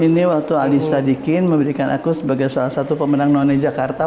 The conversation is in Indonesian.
ini waktu ali sadikin memberikan aku sebagai salah satu pemenang none jakarta